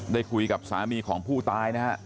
ได้คุยกับสามีของผู้ตายนะฮะ